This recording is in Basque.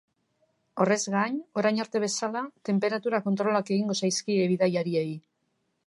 Horrez gain, orain arte bezala, tenperatura kontrolak egingo zaizkie bidaiariei.